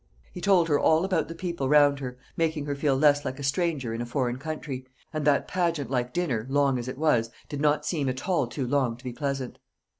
He told her all about the people round her, making her feel less like a stranger in a foreign country; and that pageant like dinner, long as it was, did not seem at all too long to be pleasant.